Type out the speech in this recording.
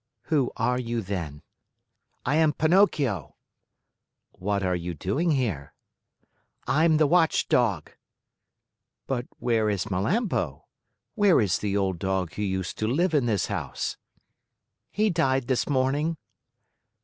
"Who are you, then?" "I am Pinocchio." "What are you doing here?" "I'm the watchdog." "But where is Melampo? Where is the old dog who used to live in this house?" "He died this morning."